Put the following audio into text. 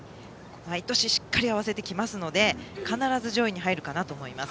毎年、しっかり合わせてきますので必ず上位に入るかなと思います。